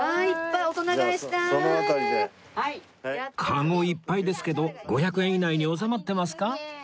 カゴいっぱいですけど５００円以内に収まってますか？